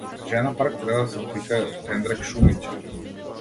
Жена парк треба да се вика пендрек шумиче!